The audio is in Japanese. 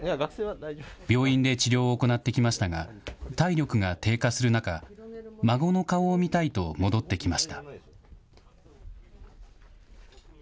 病院で治療を行ってきましたが、体力が低下する中、孫の顔を見たいと戻ってきました。